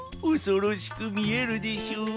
おそろしくみえるでしょ？